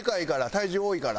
体重多いから。